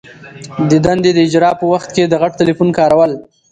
د دندي د اجرا په وخت کي د غټ ټلیفون کارول.